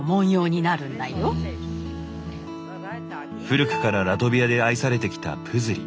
古くからラトビアで愛されてきたプズリ。